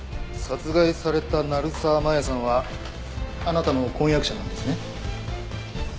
殺害された成沢真弥さんはあなたの婚約者なんですね。